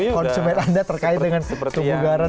konsumen anda terkait dengan kebukaran